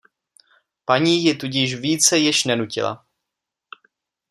Paní ji tudíž více již nenutila.